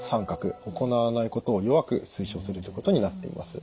行わないことを弱く推奨するということになっています。